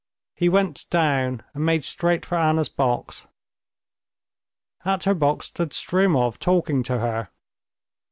He went down, and made straight for Anna's box. At her box stood Stremov, talking to her.